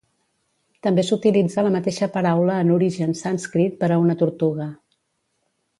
També s'utilitza la mateixa paraula en origen sànscrit per a una tortuga.